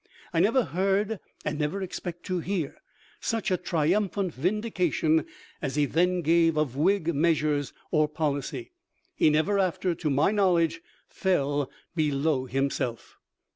* I never heard and never expect to hear such a triumphant vindication as he then gave of Whig measures or policy. He never after, to my knowledge, fell below himself."